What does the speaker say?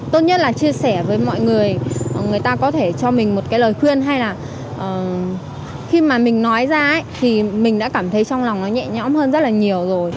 tốt nhất là chia sẻ với mọi người người ta có thể cho mình một cái lời khuyên hay là khi mà mình nói ra thì mình đã cảm thấy trong lòng nó nhẹ nhõm hơn rất là nhiều rồi